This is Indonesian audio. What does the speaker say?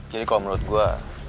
jadi kalo menurut gue